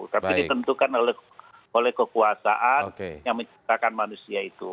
tapi ditentukan oleh kekuasaan yang menciptakan manusia itu